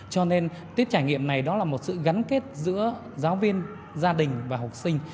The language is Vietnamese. cho nên tiết trải nghiệm này đó là một sự gắn kết giữa giáo viên gia đình và học sinh